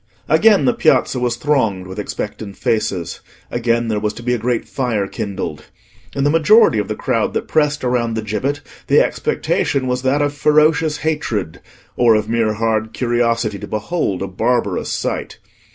Again the Piazza was thronged with expectant faces: again there was to be a great fire kindled. In the majority of the crowd that pressed around the gibbet the expectation was that of ferocious hatred, or of mere hard curiosity to behold a barbarous sight.